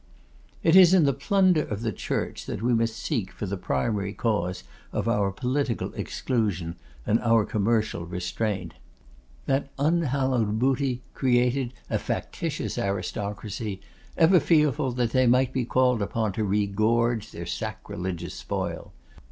It is in the plunder of the Church that we must seek for the primary cause of our political exclusion, and our commercial restraint. That unhallowed booty created a factitious aristocracy, ever fearful that they might be called upon to regorge their sacrilegious spoil.